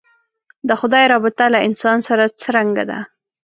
د خدای رابطه له انسان سره څرنګه ده.